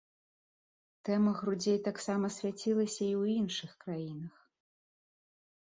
Тэма грудзей таксама свяцілася і ў іншых краінах.